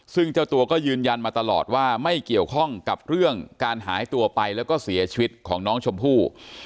ซึ่งเจ้าตัวก็ยืนยันมาตลอดว่าไม่เกี่ยวข้องกับเรื่องการหายตัวไปแล้วก็เสียชีวิตของน้องชมพู่